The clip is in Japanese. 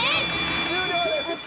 終了です！